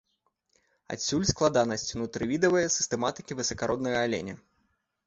Адсюль складанасць унутрывідавай сістэматыкі высакароднага аленя.